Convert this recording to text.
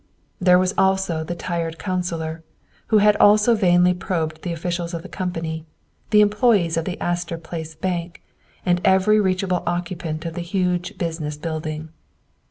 There was also the tired counsellor, who had also vainly probed the officials of the company, the employees of the Astor Place Bank, and every reachable occupant of the huge business building.